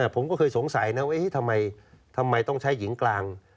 ผมก็เคยสงสัยทำไมต้องใช้ยิงกลาง